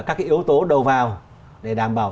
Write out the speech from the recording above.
các cái yếu tố đầu vào để đảm bảo